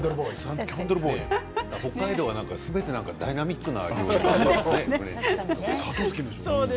北海道は全部ダイナミックな感じで。